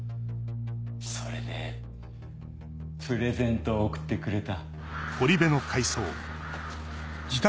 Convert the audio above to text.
それでプレゼントを贈ってくれた。